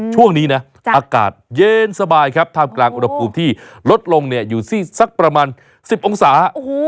ช่วงนี้นะอากาศเย็นสบายครับท่ามกลางอุณหภูมิที่ลดลงอยู่ที่สักประมาณ๑๐องศา